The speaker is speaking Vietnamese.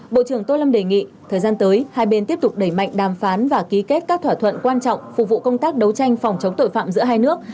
bộ trưởng tô lâm đề nghị thời gian tới hai bên tiếp tục đẩy mạnh đàm phán và ký kết các thỏa thuận quan trọng phục vụ công tác đấu tranh phòng chống tội phạm giữa hai nước